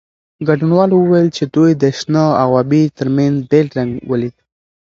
ګډونوالو وویل چې دوی د شنه او ابي ترمنځ بېل رنګ ولید.